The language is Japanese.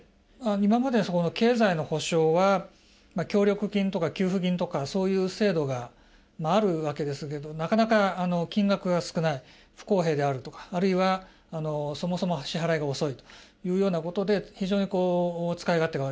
今まで経済の補償は協力金とか給付金とかそういう制度があるわけですけどなかなか金額が少ない不公平であるとかあるいはそもそも支払いが遅いというようなことで非常にこう使い勝手が悪い。